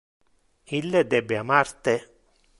Ille debe amar te.